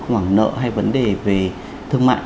khoảng nợ hay vấn đề về thương mại